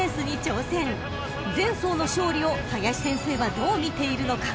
［前走の勝利を林先生はどう見ているのか？］